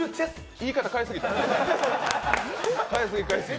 言い方、変え過ぎた。